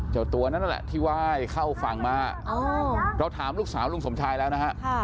เจ้าตัวนั้นนั่นแหละที่ไหว้เข้าฝั่งมาเราถามลูกสาวลุงสมชายแล้วนะฮะ